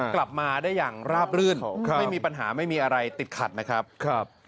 กลับมาได้อย่างราบรื่นไม่มีปัญหาไม่มีอะไรติดขัดนะครับ